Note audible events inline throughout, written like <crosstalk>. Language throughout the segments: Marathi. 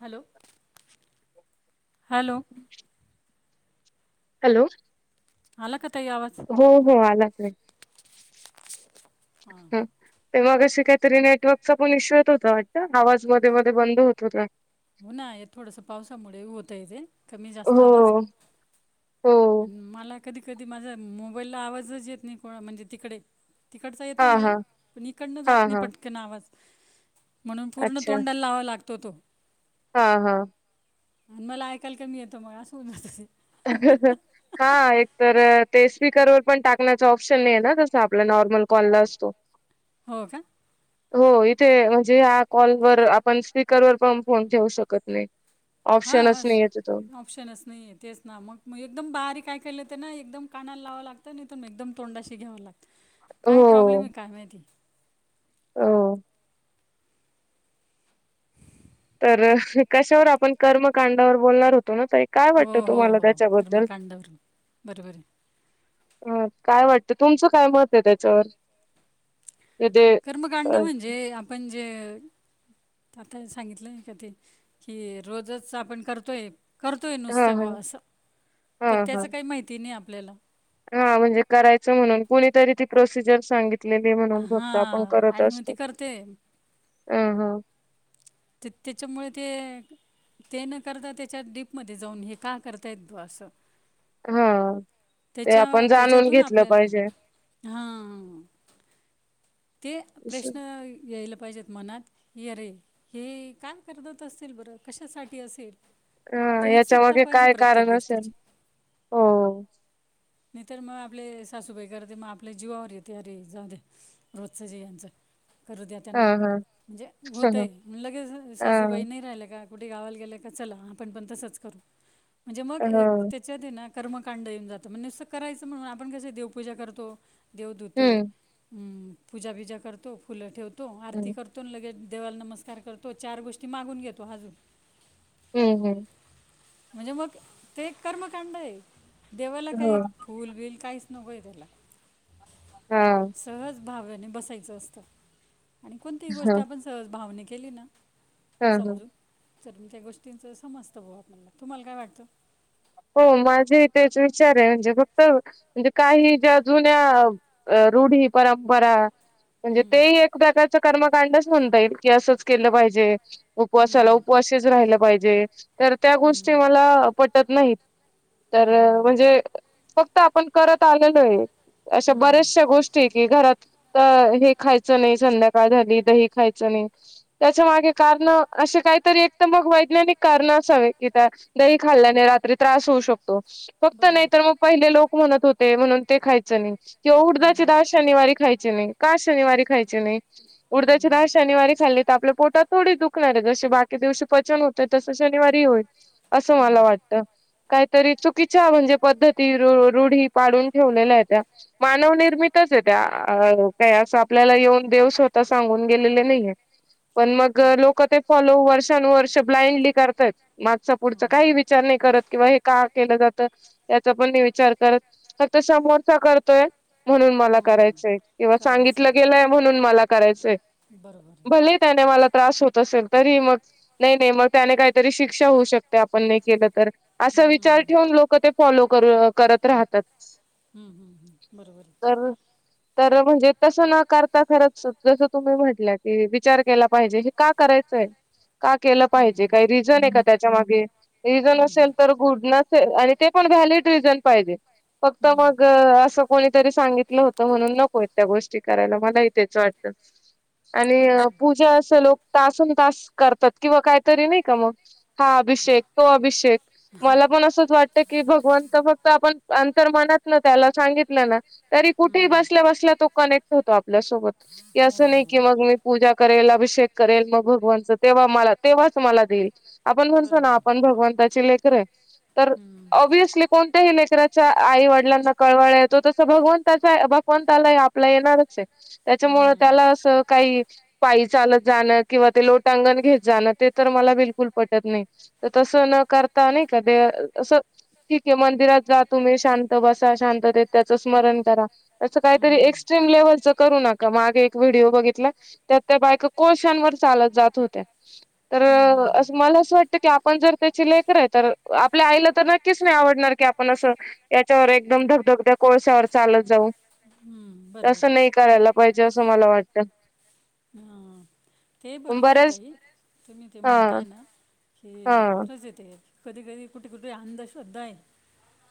Hello hello. हॅलो. आला का? ताई आवाज हो हो आलाचे. ते मगाशी काहीतरी नेटवर्कचा पण इश्यू येत होता वाटत आवाज मध्ये मध्ये बंद होत होता. हो ना थोडस पावसामुळे होतय तेे कमी जास्त आवाज. हो हो आणि मला कधी कधी माझा मोबाईलला आवाजच येत नाही कोणा म्हणजे तिकडे. तिकडचा येतो हा मला हा पण इकडनं हा जात नाही, हा पटकन आवाज. म्हणून पूर्ण अच्छा तोंडाल लावा लागतो तो. हा हा. आणि मला ऐकायला कमी येतो मग अस होउन जात. ह ह. हा एक तर ते स्पीकरवर पण टाकण्याच ऑप्शन नाहीये ना जसं आपला नॉर्मल कॉलला असतो. हो का हो. ते म्हणजे या कॉलवर आपण स्पीकरवर पण फोन ठेऊ शकत नाही. हा ऑप्शनच नाहीये तिथं ऑप्शनच नाहीेये तेच ना मग. मग एकदम बारीक ऐकायला येतना एकदम कानाला लावं लागतं नाहीत म एकदम तोंडाशी घ्यावं लागतं. हो काय प्रॉब्लेमे काय माहिती. हो. तर कशावर आपण कर्मकांडावर बोलणार हो तो ना ताई काय वाटत हो, हो, तुम्हाला हो. त्याच्याबद्दल. कर्मकांडावरून. बरोबर आहे. अ काय वाटतं तुमचं काय मते त्याच्यावर. म्हणजे कर्म कांड अ म्हणजे अपण म्हजे आता सांगितलं नई का ते की रोजच आपण करतोय. करतोय हा नुसतं हा बा असं हा पण हा त्याच काही माहिती नाही आपल्याला. हा म्हणजे करायचं म्हणून कुणीतरी ती प्रोसिजर सांगि तली म्हणून फक्त आपण हां करत आणि मग असतो ते करते. ह, ह. त त्याच्यामुळे ते ते न करता त्याच्यात डीपमध्ये जाऊन हे का करतायत असं हा ते त्याच्या आपण जाणून त्याच्यातून घेतलं आपल्याला पाहिजे. हा ते स- प्रश्न यायला पाहिजेत मनात की अरे हे काय करत असतील बरं कशासाठी असेल हा म्हणजे याच्या उत्सुकता मागे पाहिजे काय प्रत्येक कारण असेल गोष्टीची हो नाहीतर मग आपले सासूबाई करते मग आपल्या जीवावर येते अरे जाऊदे रोजचजे यांचं करू द्या हा त्यांना हा म्हणजे ह होतय लगेच हा सासूबाई नाही राहिल्या का कुठे गावाला गेल्या का चला आपण पण तसंच करू म्हणजे मग एक हो त्याच्याते ना कर्मकांड येऊन जातं म्हणजे करायचं म्हणून आपण कस देवपूजा करतो. देव धुतो हम्म हम्म पूजाबिजा करतो, फुलं ठेवतो, आरती हम्म करतो न लगेच देवाला नमस्कार करतो चार गोष्टी मागून घेतो अजून हम्म हम्म म्हणजे मग ते कर्मकांडय. हो काही फूलबिल काहीच नकोय त्याला हा हा सहज भावने बसायचं असतं आणि कोणतीही गोष्ट आपण सहज भावने केली ना हा हा सत्य गोष्टींच समजत भाऊ आपल्याला तुम्हाला काय वाटतं हो माझे त्याच विचार आहे म्हणजे फक्त म्हणजे काही ज्या जुन्या रूढी परंपरा म्हणजे तेही एक प्रकारच कर्मकांडच म्हणता येईल कि असंच केलं पाहिजे. उपवासाला हम्म, उपवाशीच राहिला पाहिजे तर त्या हम्म, गोष्टी मला पटत नाहीत. तर हम्म, हम्म, म्हणजे फक्त आपण करत आलेलोय. अशा हम्म, बऱ्याचशा गोष्टी की घरात त हे खायचं नाही, संध्याकाळ झाली दही खायचं नाही, त्याच्या मागे कारण अशे का काहितरी एक मग वैज्ञानिक कारण असावी की त्या दही खाल्ल्याने रात्री त्रास होऊ शकतो फक्त नाही बरोबर तर मग पहिले लोक म्हणत होते म्हणून ते खायच नाही. किंवा हम्म, उडदाची दहा शनिवारी खायची नाही, का शनिवारी खायची नाही? हम्म, उडदची दाळ हम्म. शनिवारी खाल्ली तर आपल्या पोटात थोडी दुखणारे जशी बाकी दिवशी पचन होत तस श शनिवारी होईल अस मला वाटत तरी चुकीच्या म्हणजे पद्ध ती रूढी पाडून ठेवलेल्या आहेत्या मानवनिर्मितच त्या काय अस आपलं आपल्याला येऊन देव स्वतः सांगून गेलेले नाहीये. पण मग लोक ते फॉलो वर्षानुवर्ष ब्लाइंडली करतायत मागचा हां. पुढचा काही विचार नाही करत. किंवा हे का केलं जात त्याचा पण मी विचार करत फक्त समोरचा करतोय म्हणून मला हम्म, करायचंय किंवा करायचं सांगितलं नाही. गेलंय म्हणून मला करायचंय. बरोबर आहे भले त्याने मला त्रास होत असे तरी मग नाही नाही मग त्याने काहीतरी शिक्षा होऊ शकते आपण नाही केलं तर असं विचार असा ठेवून लोक ते फॉलो करु करत राहतात. हम्म हम्म बरोबर तर तर म्हणजे तस न करता खरच जस तुम्ही म्हटला की विचार केला पाहिजे हे का कर करायचंय का केल पाहिजे, काय रिझन आहे का त्याच्या मागे रिझन असेल तर नसेल आणि ते पण व्हॅलिड रिझन पाहिजे. फक्त हम्म. मग असं कोणीतरी सांगितलं होतं म्हणून नकोय त्या गोष्टी ते करायला मलाही तेच वाटत आणि हम्म. पूजा अस लोक तासन तास करतात किंवा काहीतरी नाही का मग हा अभिषेक तो अभिषेक मला पण असंच वाटतं की भगवंत फक्त आपण अंतर मनातन त्याला सांगितलं ना तरी कुठेही हम्म. बसल्या बसल्या तो कनेक्ट होतो आपल्यासोबत की असं नाही की हो. मग मी पूजा करेल अभिषेक करेल मग भगवंतच तेव्हा मला तेव्हाच मला देईल आपण म्हणतो ना बरोबर. आपण भगवंताची लेकरय तर हम्म. ऑब्व्हियसली कोणत्याही लेकराच्या आई वडिलांना कळवळा येतो तसं भगवनताचा त्या आपला येणारच त्याच्यामुळे त्या हम्म. असं काही पायी चालत जाण मग ते लोटांगण घेताना जाण ते तर मला बिलकुल पटत नाही. का असं ठीक आहे मंदिरात जा तुम्ही शांत बसा शांततेत त्याचं स्मरण करा. असं काहीतरी एक्स्ट्रीम लेव्हलच करू नका मागे एक व्हिडिओ बघितला त्यात त्या बायका कोळशान चालत जात होत तर हम्म हम्म असं मला असं वाटत की आपण जर त्याची लेकर आहे तर आपल्या आईला तर नक्कीच नाही आवडणार की आपण असं याच्यावर एकदम धकधकध्या कोळसायावर चालत जाऊ. हम्म बरोबर तसं नाही करायला पाहिजे असं मला वाटतं. हा ते पण बरोबर आहे बऱ्याच ताई तुम्ही ते हा म्हणताय ना. हा हे खरंच येते कधी कधी कुठे कुठे अंध श्रद्धा आहे.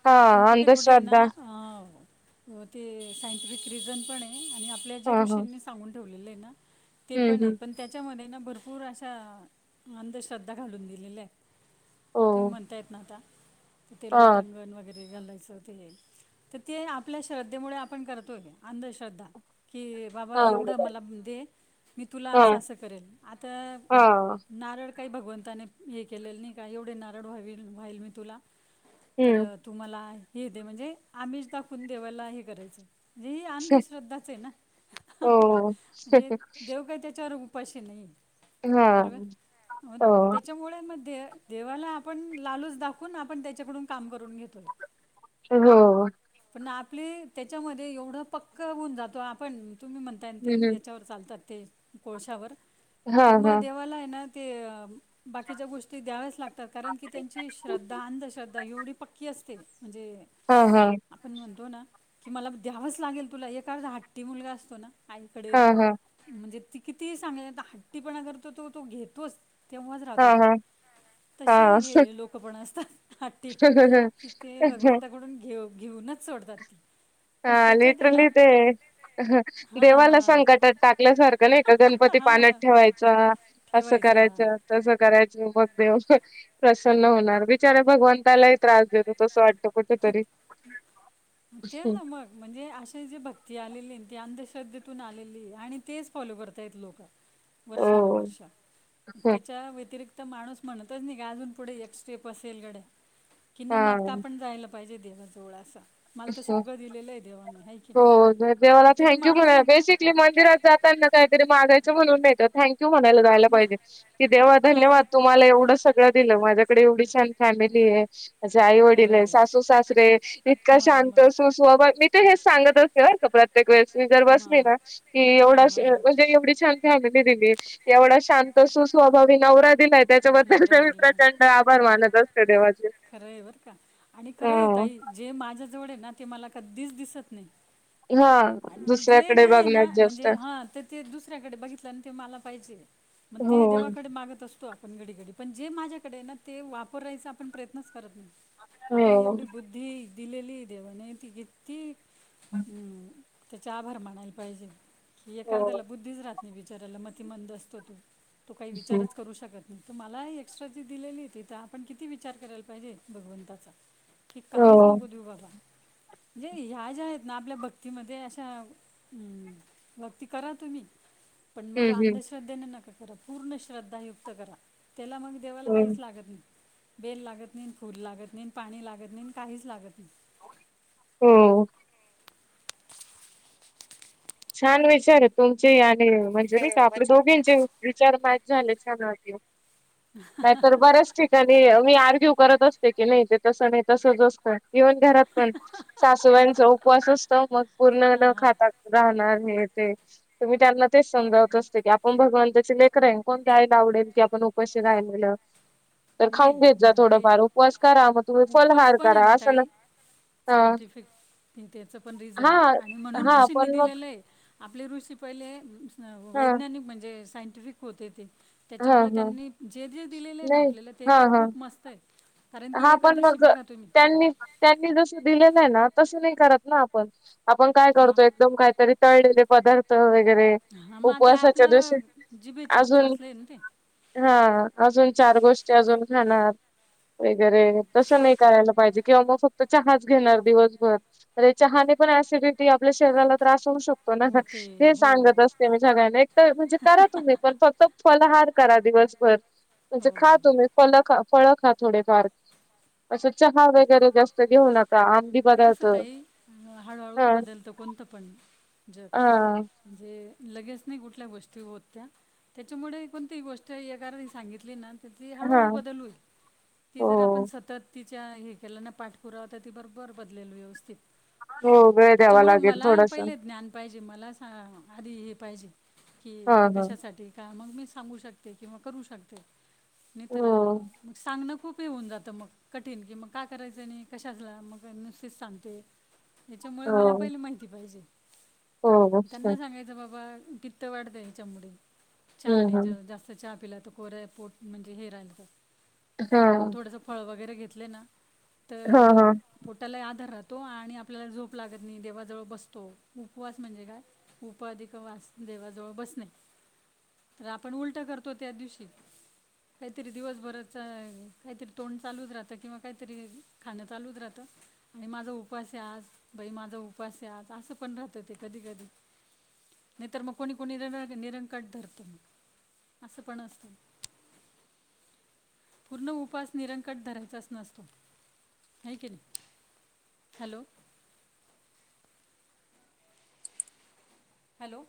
हा पण कुठे कुठे ना अंधश्रद्धा अ ते सायंटिफिक रिझन पण आहे. आपल्या जे हा हा ऋषींनी सांगून ठेवले ते हम्म पण आहे हम्म पण त्याच्यामधे भरपूर अशा अंधश्रद्धा घालून दिलेल्या आहे हो तुम्ही म्हणता येत ना आता ते हा लोटांगण वगैरे घालायचं ते तर ते आपल्या श्रद्धेमुळे आपण करतोय अंधश्रद्धा की बाबा हा एवढं मला दे मी तुला हा असं असं करेन आता हा नारळ तर काही भगवंताने हे केलेलं नाही का एवढे नारळ व्हा व्हाइल मी तुला तर हम्म तुम्हाला हे दे म्हणजे अमिष दाखवून देवायला हे करायचं हे ही अंधश्रद्धाच हे ना हो. म्हणजे देव काय त्याच्यावर उपाशी नाही हा बरोबर हो त्याच्यामुळे म देवाला आपण लालूच दाखवून आपण त्याच्याकडून काम करून घेतो. हो. ना आपले त्याच्यामध्ये एवढं पक्कं होऊन जातो आपण तुम्ही म्हणताय ना ते हम्म हम्म. याच्यावर चालतात. ते कोळशावर हा तर मग हा. देवाला आहे ना ते बाकीच्या गोष्टी द्याव्याच लागतात कारण की त्यांची श्रद्धा अंधश्रद्धा एवढी पक्की असते म्हणजे हा हा आपण म्हणतो ना कि मला द्यावंच लागेल तुला एखादा हट्टी मुलगा असतो ना आईकडे हा हा म्हणजे ते किती सांग हट्टीपणा करतो तो तो घेतोच तेव्हाच हा राहतो तो हा तसे हा. हे लोक पण असतात हट्टी कि ते भगवंताकडून घेऊ घेऊनच सोडतात ती पण हा त्याच्यात आहे ना लिट्रलि ते हां देवाला संकटात हां टाक टाकल्या सारखं नाही का गणपती हां पाण्यात हां ठेवायचा असं ठेवायचा करायचं तसं करायची मग देव प्रसन्न होणार बिचारे भगवंतालाही त्रास देतो तसं वाटत कुठेतरी ते ना मग म्हणजे अशे जे भक्ती आलेली हे ते अंधश्रद्धेतून आलेली आणि तेच फॉलो करतात लोक हो. वर्षानुवर्ष त्याच्या व्यतिरिक्त व्यतिरिक्त माणूस म्हणतोय नाही का अजून पुढे एक स्टेप असेल गडे की न मागता हा. आपण जायला पाहिजे देवाजवळ असं. मला तर सगळं दिलेलं आहे देवाना आहे कि हो ज- देवाला नाही तरी थँक्यू माणूस म्हणायला म्हणतो म बेसिकली मंदिरात जाताना काहीतरी मागायचं म्हणून नाहीत थँक्यु म्हणायला जायला मा पाहिजे की तेव्हा धन्यवाद तुम्हाला एवढं सगळं दिलं माझ्याकडे एवढी छान फॅमिली आहे माझे आई वडील आहे सासू सासरे इतका मग शांत मग सुसवा मी तर हेच सांगत असते प्रत्ये प्रत्येक वेळेस जर बसली मग ना की हा एवढा हा हा. म्हणजे एवढी छान फॅमिली दिली एवढा शांत सुस्वभावी नवरा दिला. त्याच्याबद्दल नवरा त मी दिला प्रचंड आभार मानत असते देवाचे. खरं आहे बरं का आणि अ खरं आहे ताई जे माझ्या जवळ आहे ना ते मला कधीच दिसत नाही. हा आणि जे दुसऱ्याकडे नाहीये ना बघण्यात जास्त म्हणजे हा ते दुसऱ्याकडे बघितलं आणि ते मला पाहिजे. मग ते हो. देवाकडे मागत अस पण घडी घडी पण जे माझ्याकडे ना ते वापरायचा आपण प्रयत्नच करत नाही. आपली हो. एवढी बुद्धी दिलेली देवाने ती किती त्याचे आभार मानायला पाहिजे. एखाद्याला हो. बुद्धीच राहत नाही बिचाऱ्याला मती मंद असतो तो तो काही हं. विचारच करू शकत त मला एक्स्ट्रा जी दिलेली आहे तिथ आपण किती विचार करायला पाहिजे भगवंताचा. की काहीच हो. नको दिऊ बाबा. जे ह्या ज्या आहेत ना आपल्या भक्तीमध्ये अशा भक्ती करा तुम्ही <inaudible> पण मग हम्म. अंधश्रद्धेने नका करा पूर्ण श्रद्धायुक्त करा. त्याला मग देवाला हम्म. काहीच लागत नाही. बेल लागत नाही. फूल लागत नाही. पाणी लागत नाही. काहीच लागत नाही. हम् छान विचार आहे तुमचे आणि म्हणजे नाही का आपले दोघींचे विचार माहिती छान हे छान वाटते नाहीतर बऱ्याच ठिकाणी मी आर्ग्यु करत असते की नाही ते तस नाही तसच असत इन घरात पण सासूबाईंचं उपवास असत मग पूर्ण हां न हां खाता राहणार हे ते त मी त्यांना तेच समजावत असते की आपण भगवंताची लेकर रा आहेन कोणत्यायला आवडेल की आपण उपशी राहिलेलं तर खाऊन घेत जा नाही थोडफार आपले उपवास करा मग तुम्ही उपवास फलहार पण आहे करा ना असंग ताई सायंटिफिक त्याच पण हा रिझन आणि म्हणून हा ऋषींनी पण मग दिलेलं आहे आपले ऋषी पहिले हा वैज्ञानिक म्हणजे सायंटिफिक होते ते हा त्याच्यामुळे हा त्यांनी जे जे दिलेले आहे ना नाही आपल्याला ते हा ते हा खूप मस्त आहे कारण की हा पण एकादशी मग बघा तुम्ही त्यांनी त्यांनी जस दिलेलं आहे ना तसं नाही करत ना आपण आपण काय हां करतो एकदम काहीतरी तळलेले पदार्थ ह मग ते उपवासाच्या आपलं दिवशी जिभेची च अजून असलंय ना ते हा अजून चार गोष्टी अजून खणार वगैरे तस नाही करायला पाहिजे किंवा मग फक्त चहाच घेणार दिवसभर चहाने पण सिडिटी आपल्या शरीराला त्रास ो होते हो सांगत असते सगळ्यां म्हणजे करा तुम्ही पण फक्त फलार करा दिवसभर म्हणजे खा हो तुम्ही फ ख फळ खा थोडेफार असं चहा वगैरे जास्त घेऊ नका आंबी ते बदत कसं ताई हा पजपण हा. जे लगेच नाही कुठल्या गोष्टी होत त्या त्याच्यामुळे कोणती गोष्ट ए सांगितली ना त्याली हा हळूहळू बदलू आहे ती जर आपण हो सतत त च्या हे केल्या ना पाठपुरावाता ती बरोबर बदलेल व्यवस्थित हो वेळ द्यावा त्याच्यामुळे लागेल मला थोडस पहिले ज्ञान पाहिजे मला आधी हे पाहिजे की हा हे हा. कशासाठी का मग मी सांगू शकते किंवा करू शकते नाही हो तर सांग खूप खूप ये होऊन जातं मग कठीण की मग काय करायचं आणि कशा असल्या मग नुसतीच सांगते याच्यामुळे मला हो पहिली माहिती पाहिजे हो त्यांना सांगायचं बाबा पित्त वाढतें ह चमुडी हम्म चहाने हम्म ज जास्त चहा पिलात त कोऱ्या पोट म्हणजे हे राहिल तर हा मग थोडंसं फळ वगैरे घेतले ना हा तर हा पोटाला आधार राहत तो आणि आपल्याला झोप लागत नाही देवाजवळ बसतो उपवास म्हणजे काय उपाधिक वास देवाजवळ बसणे तर आपण उलट करतो त्या दिवशी कातरी दिवसभर कातरी तोंड चालह किवा काहीत ख चाल राह आणि माझ उप आज माझ उ स असं पण राहत ते कधी कधी नाहीतर मग कोणी कोणी र निरंकट धरत मग असं पण असतं ह पूर्ण उपास निरंकट धरायचाच नसतो नाही केले. हॅलो हॅलो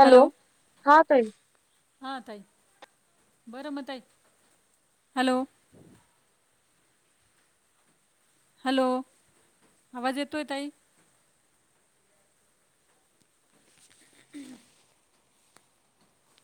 हॅलो हा ताई, हा ताई बरं मग ताई हॅलो हॅलो, आवाज येतोय ताई? हम्म